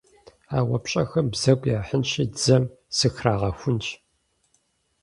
А уэ пщӏэхэм бзэгу яхьынщи, дзэм сыхрагъэхунщ.